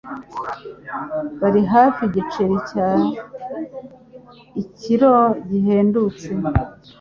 Bari hafi igiceri cya ikiro gihendutse.